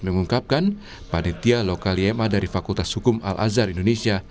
mengungkapkan panitia lokal ima dari fakultas hukum al azhar indonesia